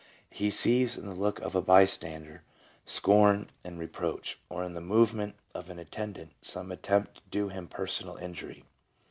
He sees in the look of a bystander scorn and reproach, or in the movement of an attendant some attempt to do him personal injury.